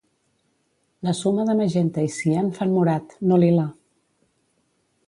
La suma de magenta i cian fan morat, no lila.